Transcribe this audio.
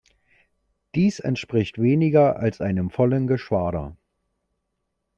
Dies entspricht weniger als einem vollen Geschwader.